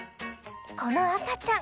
この赤ちゃん。